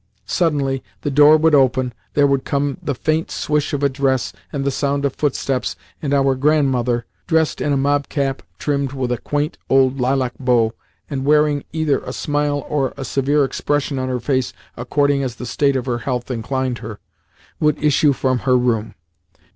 Suddenly the door would open, there would come the faint swish of a dress and the sound of footsteps, and our grandmother dressed in a mob cap trimmed with a quaint old lilac bow, and wearing either a smile or a severe expression on her face according as the state of her health inclined her would issue from her room.